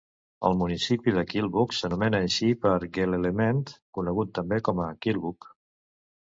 El municipi de Kilbuck s'anomena així per Gelelemend, conegut també com a Killbuck.